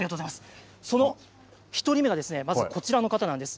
その１人目がまず、こちらの方なんです。